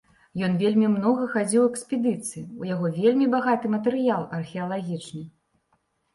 Ён вельмі многа хадзіў у экспедыцыі, у яго вельмі багаты матэрыял археалагічны.